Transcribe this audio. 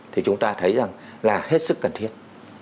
thì chúng ta thấy rằng là hết sức cần thiết